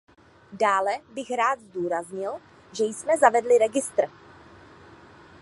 Dále bych rád zdůraznil, že jsme zavedli registr.